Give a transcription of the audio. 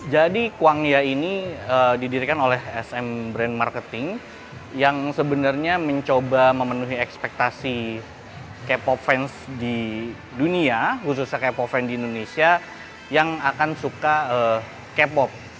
jadi kwangya ini didirikan oleh sm brand marketing yang sebenarnya mencoba memenuhi ekspektasi k pop fans di dunia khususnya k pop fans di indonesia yang akan suka k pop